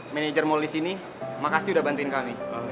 manager mall di sini makasih udah bantuin kami